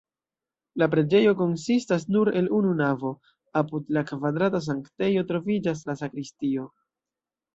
La preĝejo konsistas nur el unu navo, apud la kvadrata sanktejo troviĝas la sakristio.